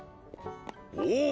おお！